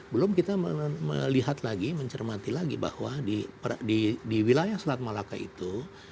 belum kita melihat lagi mencermati lagi bahwa di wilayah selat malaka itu